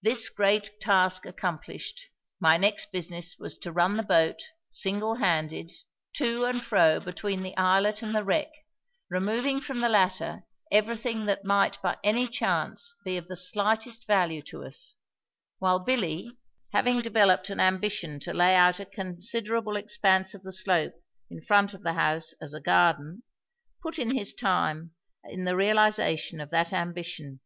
This great task accomplished, my next business was to run the boat, single handed, to and fro between the islet and the wreck, removing from the latter everything that might by any chance be of the slightest value to us, while Billy, having developed an ambition to lay out a considerable expanse of the slope in front of the house as a garden, put in his time in the realisation of that ambition.